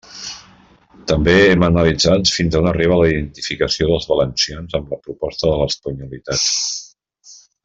També hem analitzat fins a on arriba la identificació dels valencians amb la proposta de l'espanyolitat.